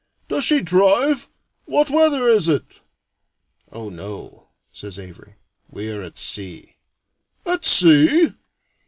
"Does she drive? What weather is it?" "Oh no," says Avary; "we are at sea." "At sea?"